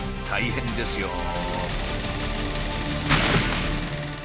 大変ですよ。